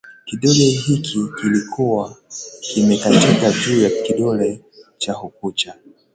Kidole hiki kilikuwa kimekatika juu kidogo ya ukucha